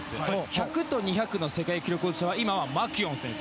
１００ｍと２００ｍの世界記録保持者は今はマキュオン選手